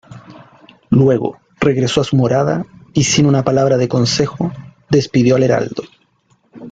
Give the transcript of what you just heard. Luego, regresó a su morada y sin una palabra de consejo, despidió al heraldo.